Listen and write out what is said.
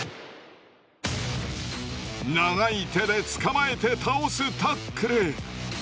長い手で捕まえて倒すタックル。